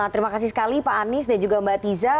terima kasih sekali pak anies dan juga mbak tiza